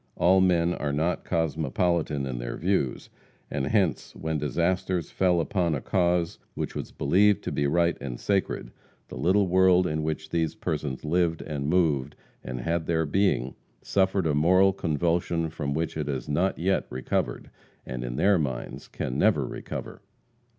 All men are not cosmopolitan in their views, and hence, when disasters fell upon a cause which was believed to be right and sacred, the little world in which these persons lived and moved and had their being, suffered a moral convulsion from which it has not yet recovered, and, in their minds, can never recover.